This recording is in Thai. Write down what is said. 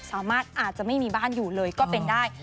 อาจจะไม่มีบ้านอยู่เลยก็เป็นได้